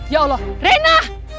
ya allah rena